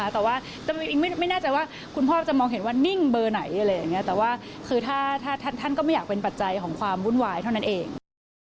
แต่ว่าถ้าท่านก็ไม่อยากเป็นปัจจัยของความวุ่นวายเท่านั้นเอง